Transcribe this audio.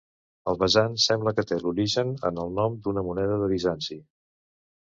El besant sembla que té l'origen en el nom d'una moneda de Bizanci.